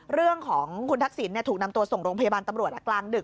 เรื่องของคุณทักษิณถูกนำตัวส่งโรงพยาบาลตำรวจกลางดึก